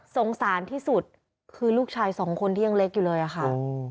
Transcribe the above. สงสารที่สุดคือลูกชายสองคนที่ยังเล็กอยู่เลยอะค่ะ